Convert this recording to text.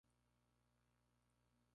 El hombre y la Tierra".